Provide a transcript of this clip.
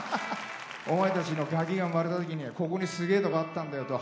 お前たちのガキが生まれた時にここにすげえとこあったんだよと。